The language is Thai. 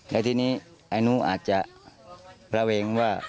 และทีนี้อันนู้นอาจจะประเวงว่า